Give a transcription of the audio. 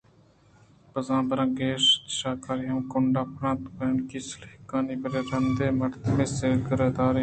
باز براں گیشیں شاہُکاری ہم کنڈاں پِرّینیت بٹاکی ئیں سیلانی یک رَندے مردمے سیلءُ گردءَ دوریں ہَندءُ کِشوراں شُت